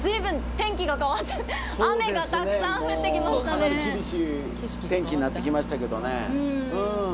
もうかなり厳しい天気になってきましたけどねうん。